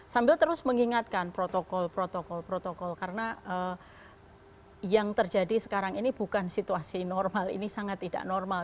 sambil terus mengingatkan protokol protokol karena yang terjadi sekarang ini bukan situasi normal ini sangat tidak normal